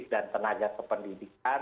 dan tenaga kependidikan